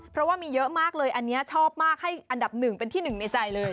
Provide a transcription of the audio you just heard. เพราะว่ามีเยอะมากเลยอันนี้ชอบมากให้อันดับหนึ่งเป็นที่หนึ่งในใจเลย